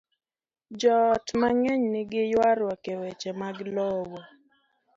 Joot mang'eny nigi ywaruok e weche mag lowo.